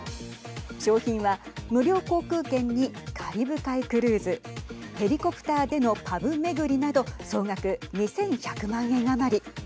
商品は無料航空券にカリブ海クルーズヘリコプターでのパブ巡りなど総額２１００万円余り。